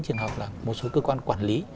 trường hợp là một số cơ quan quản lý